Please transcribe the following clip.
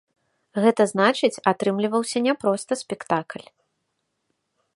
Гэта значыць, атрымліваўся не проста спектакль.